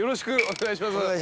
お願いします。